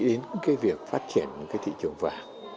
được phát triển thị trường vàng